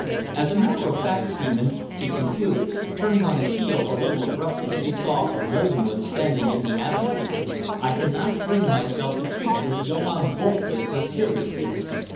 As a matter of fact, Seaman," he concluded, turning on his heel a little abruptly as he saw Rosamund standing in the avenue, "I cannot bring myself to treat this Johann Wolff business seriously.